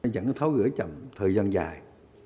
vẫn tháo gửi chậm thời gian dài